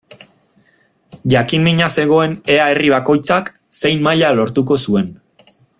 Jakin-mina zegoen ea herri bakoitzak zein maila lortuko zuen.